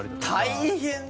大変だ！